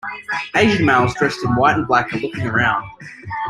Asian males dressed in white and black are looking around.